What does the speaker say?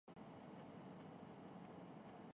یہی کچھ یہاں ہوا۔